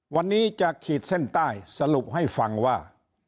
วันนี้จะขีดเส้นใต้สรุปให้ฟังว่า